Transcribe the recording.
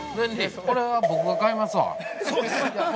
これは僕が買いますわ。